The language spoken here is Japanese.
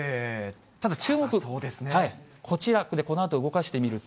ただ、こちら、このあと動かしてみると。